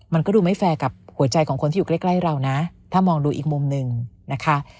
มันก็ดูไม่แฟร์กับหัวใจของคนที่อยู่ใกล้เรานะถ้ามองดูอีกมุมหนึ่งนะคะ